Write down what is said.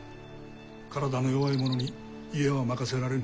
体の弱い者に家は任せられぬ。